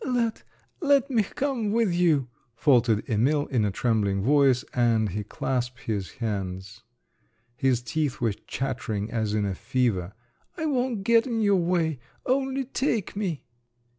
"Let … let me come with you," faltered Emil in a trembling voice, and he clasped his hands. His teeth were chattering as in a fever. "I won't get in your way—only take me."